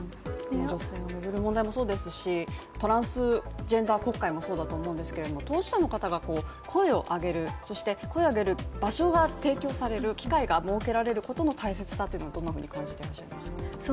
女性を巡る問題もそうですし、トランスジェンダー国会もそうだと思うんですけど、当事者の方が声を上げる声を上げる場所が提供される、機会が設けられることの大切さをどんなふうに感じていらっしゃいますか？